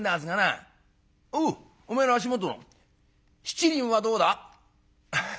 「おうお前の足元の七輪はどうだ？」。